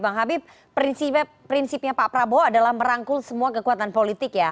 bang habib prinsipnya pak prabowo adalah merangkul semua kekuatan politik ya